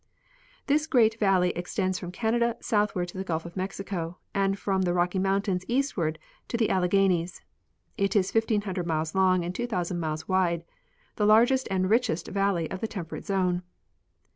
This great valley extends from Canada southward to the Gulf of Mexico, and from the Rocky mountains eastward to the Alle ghanies; it is 1,500 miles long and about 2,000 miles wide, the largest and richest valley of the temperate zone.